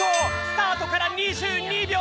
スタートから２２秒！